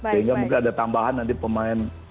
sehingga mungkin ada tambahan nanti pemain